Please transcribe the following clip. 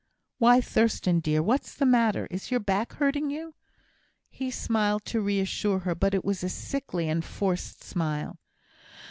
"Why, Thurstan, dear! What's the matter? Is your back hurting you?" He smiled to reassure her; but it was a sickly and forced smile.